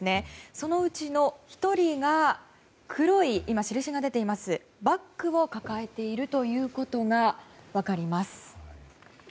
そのうちの１人が黒いバッグを抱えているということが分かります。